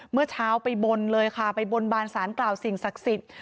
เมื่อเช้าไปบนเลยค่ะไปบนบานสารกล่าวสิ่งศักดิ์สิทธิ์